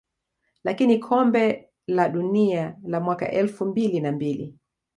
lakini kombe la dunia la mwaka elfu mbili na mbili